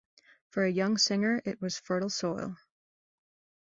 For a young singer, it was fertile soil.